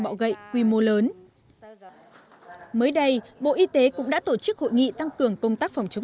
bọ gậy quy mô lớn mới đây bộ y tế cũng đã tổ chức hội nghị tăng cường công tác phòng chống